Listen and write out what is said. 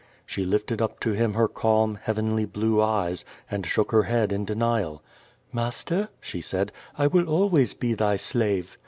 She lifted up to him her calm, heavenly blue eyes, and shook her head in denial. "Master," she said, "I will always be thy slave."